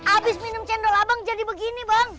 abis minum cendol abang jadi begini bang